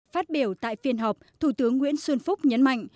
phát biểu tại phiên họp thủ tướng nguyễn xuân phúc nhấn mạnh